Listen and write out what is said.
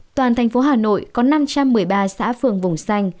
toàn thành phố hà nội có năm trăm một mươi ba xã phường vùng xanh